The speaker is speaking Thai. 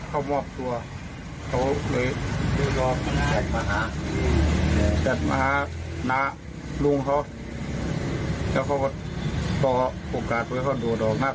รอให้ลุงเขาไปรับ